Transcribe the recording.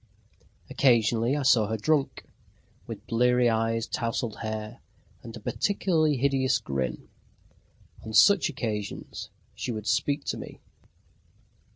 Occasionally, I saw her drunk, with bleary eyes, tousled hair, and a particularly hideous grin. On such occasions she would speak to me.